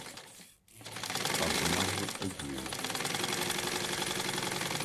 Kwabena ho dwiriw no.